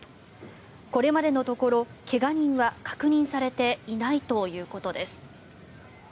これまでのところ怪我人は確認されていないということです。